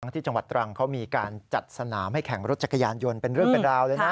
ที่จังหวัดตรังเขามีการจัดสนามให้แข่งรถจักรยานยนต์เป็นเรื่องเป็นราวเลยนะ